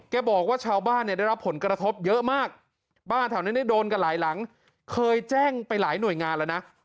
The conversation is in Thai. บอกว่าชาวบ้านเนี่ยได้รับผลกระทบเยอะมากบ้านแถวนั้นได้โดนกันหลายหลังเคยแจ้งไปหลายหน่วยงานแล้วนะ